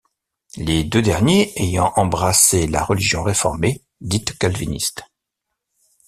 Les deux derniers ayant embrassé la religion réformée dite calviniste.